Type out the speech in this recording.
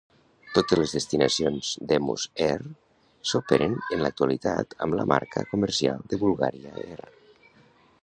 Totes les destinacions d'Hemus Air s'operen en l'actualitat amb la marca comercial de Bulgaria Air.